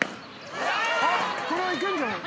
あっこれはいけんじゃない？